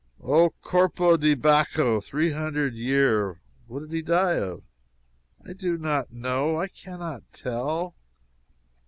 "Oh, corpo di Baccho! three hundred year!" "What did he die of?" "I do not know! I can not tell."